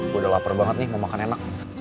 udah lapar banget nih mau makan enak